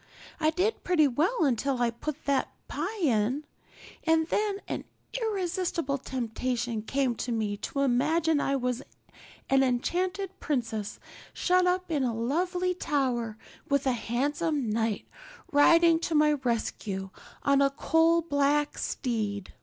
I did pretty well until I put the pie in, and then an irresistible temptation came to me to imagine I was an enchanted princess shut up in a lonely tower with a handsome knight riding to my rescue on a coal black steed.